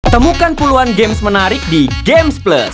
temukan puluhan games menarik di gamesplus